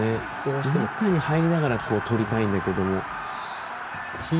中に入りながらとりたいんだけど。